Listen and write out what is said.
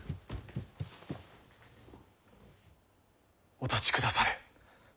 お立ちくだされ。